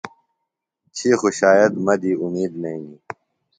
تھی خو شاید مہ دی اُمید نئینی۔